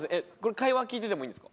会話聞いててもいいんですか？